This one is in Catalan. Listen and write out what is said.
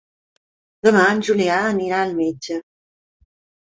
Demà en Julià anirà al metge.